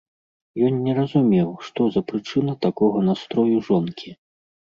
Ён не разумеў, што за прычына такога настрою жонкі.